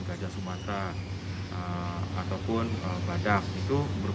gajah sumatra ataupun badan itu merupakan suatu spesies spesies yang menjadi top prioritas